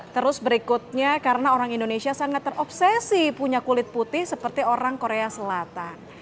terus berikutnya karena orang indonesia sangat terobsesi punya kulit putih seperti orang korea selatan